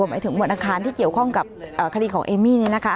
หมายถึงหมวดอาคารที่เกี่ยวข้องกับเอ่อคดีของเอมี่นี่นะคะ